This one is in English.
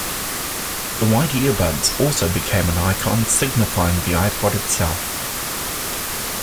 The white earbuds also became an icon signifying the iPod itself.